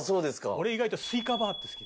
俺意外とスイカバーが好き。